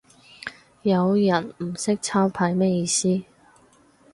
有人唔識抄牌咩意思